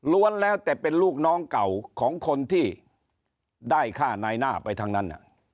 แล้วแต่เป็นลูกน้องเก่าของคนที่ได้ฆ่านายหน้าไปทั้งนั้น